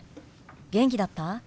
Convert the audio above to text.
元気だった？